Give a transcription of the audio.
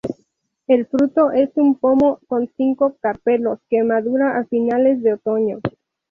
El fruto es un pomo con cinco carpelos, que madura a finales de otoño.